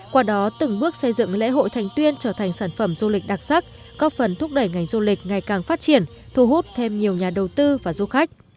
qua đó từng bước xây dựng lễ hội thành tuyên trở thành sản phẩm du lịch đặc sắc góp phần thúc đẩy ngành du lịch ngày càng phát triển thu hút thêm nhiều nhà đầu tư và du khách